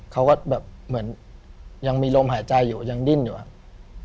เขาก็แบบเหมือนยังมีลมหายใจอยู่ยังดิ้นอยู่ครับ